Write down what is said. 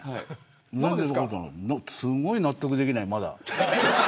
すごい納得できない、まだ。